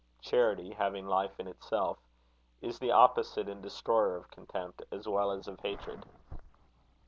Charity having life in itself, is the opposite and destroyer of contempt as well as of hatred.